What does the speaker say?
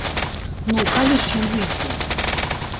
Ну, калі ж ён выйдзе?